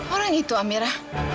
orang itu amira